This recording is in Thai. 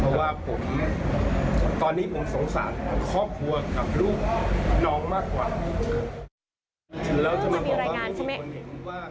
เพราะว่าตอนนี้ผมสงสารครอบครัวกับลูกน้องมากกว่า